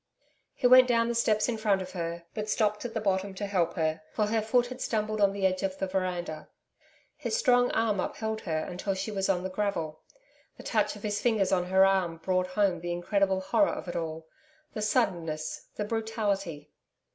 He went down the steps in front of her, but stopped at the bottom to help her, for her foot had stumbled on the edge of the veranda. His strong arm upheld her until she was on the gravel. The touch of his fingers on her arm, brought home the incredible horror of it all the suddenness, the brutality.